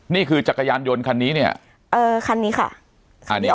นี่คือจักรยานยนต์คันนี้เนี่ยเออคันนี้ค่ะอันนี้คันนี้นะ